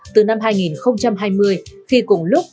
từ năm hai nghìn hai mươi khi cùng lúc